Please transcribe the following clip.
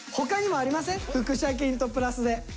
腹斜筋とプラスで。